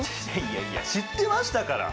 いやいやいや知ってましたから。